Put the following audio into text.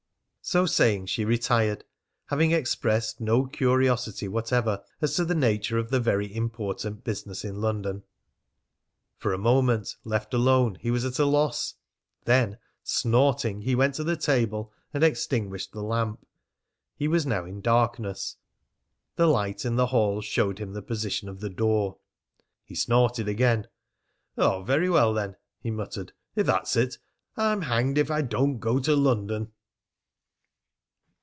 So saying she retired, having expressed no curiosity whatever as to the nature of the very important business in London. For a moment, left alone, he was at a loss. Then, snorting, he went to the table and extinguished the lamp. He was now in darkness. The light in the hall showed him the position of the door. He snorted again. "Oh, very well then!" he muttered. "If that's it! I'm hanged if I don't go to London!